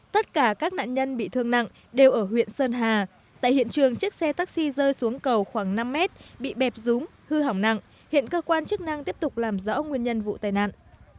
tất cả các nạn nhân bị thương nặng đều ở huyện sơn hà tại hiện trường chiếc xe taxi rơi xuống cầu khoảng năm mét bị bẹp rúng hư hỏng nặng hiện cơ quan chức năng tiếp tục làm rõ nguyên nhân vụ tai nạn